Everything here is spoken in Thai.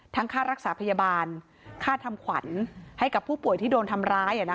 ค่ารักษาพยาบาลค่าทำขวัญให้กับผู้ป่วยที่โดนทำร้าย